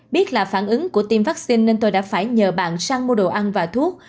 biết là phản ứng của tiêm vaccine nên tôi đã phải nhờ bạn sang mua đồ ăn và thuốc